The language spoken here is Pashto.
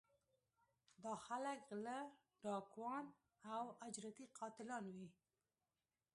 دا خلک غلۀ ، ډاکوان او اجرتي قاتلان وي